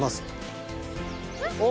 お！